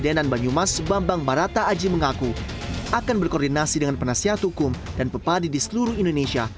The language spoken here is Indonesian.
denan banyumas bambang barata aji mengaku akan berkoordinasi dengan penasihat hukum dan pepadi di seluruh indonesia